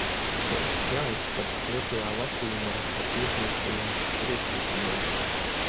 Mums jāizskata otrajā lasījumā par iesniegtajiem priekšlikumiem.